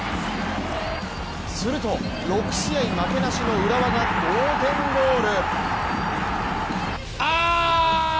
すると、６試合負けなしの浦和が同点ゴール。